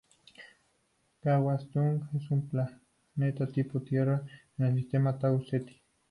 Kwantung es un planeta tipo-Tierra, en el sistema Tau Ceti.